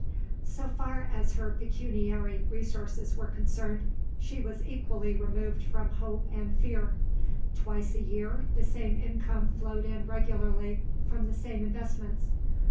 So far as her pecuniary resources were concerned, she was equally removed from hope and fear. Twice a year the same income flowed in regularly from the same investments.